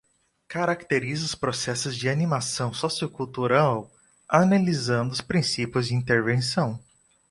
Caracteriza os processos de animação sociocultural, analisando os princípios de intervenção.